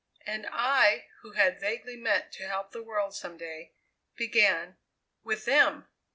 And I, who had vaguely meant to help the world some day, began with them!